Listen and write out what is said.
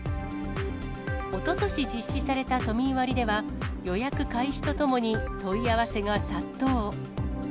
おととし実施された都民割では、予約開始とともに問い合わせが殺到。